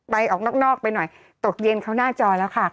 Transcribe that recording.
ออกนอกไปหน่อยตกเย็นเข้าหน้าจอแล้วค่ะ